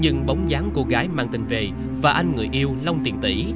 nhưng bóng dáng cô gái mang tình về và anh người yêu long tiền tỷ